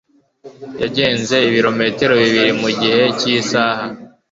Yagenze ibirometero bibiri mu gice cy'isaha.